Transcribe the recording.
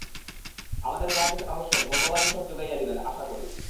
আমার যাহা কিছু আবশ্যক, ভগবানই সব যোগাইয়া দিবেন, আশা করি।